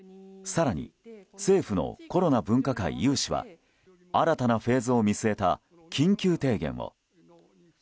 更に政府のコロナ分科会有志は新たなフェーズを見据えた緊急提言を。